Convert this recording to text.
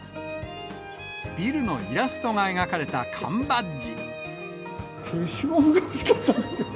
ビルのイラストが描かれた缶バッジ。